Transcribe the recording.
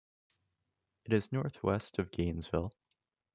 It is northwest of Gainesville.